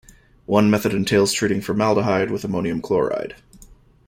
One method entails treating formaldehyde with ammonium chloride.